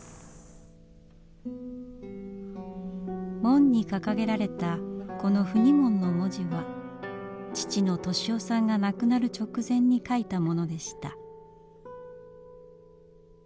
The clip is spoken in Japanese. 門に掲げられたこの「不二門」の文字は父の利雄さんが亡くなる直前に書いたものでした。